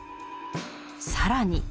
更に。